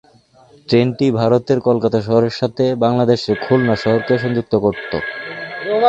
ট্রেনটি ভারতের কলকাতা শহরের সাথে বাংলাদেশের খুলনা শহরকে সংযুক্ত করত।